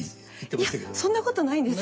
いやそんなことないんです。